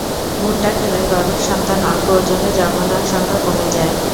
ভুট্টা খেলে গর্ভের সন্তান অল্প ওজনে জন্ম নেওয়ার শঙ্কা কমে যায়।